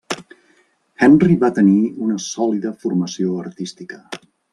Henry va tenir una sòlida formació artística.